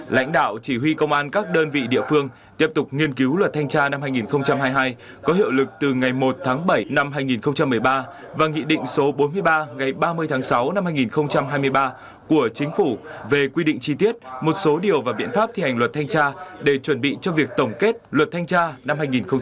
lãnh đạo chỉ huy công an các đơn vị địa phương tiếp tục nghiên cứu luật thanh tra năm hai nghìn hai mươi hai có hiệu lực từ ngày một tháng bảy năm hai nghìn một mươi ba và nghị định số bốn mươi ba ngày ba mươi tháng sáu năm hai nghìn hai mươi ba của chính phủ về quy định chi tiết một số điều và biện pháp thi hành luật thanh tra để chuẩn bị cho việc tổng kết luật thanh tra năm hai nghìn một mươi